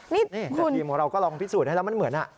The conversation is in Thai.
นี่แต่ทีมของเราก็ลองพิสูจน์ให้แล้วมันเหมือน